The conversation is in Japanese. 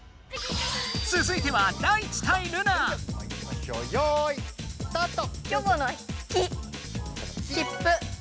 ⁉続いてはよいスタート！